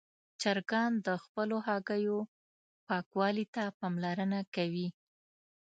چرګان د خپلو هګیو پاکوالي ته پاملرنه کوي.